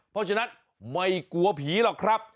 เพราะฉะนั้นไม่กลัวผีหรอกครับ